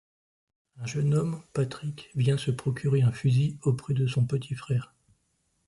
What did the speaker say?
Un jeune homme, Patrick, vient se procurer un fusil auprès de son petit frère.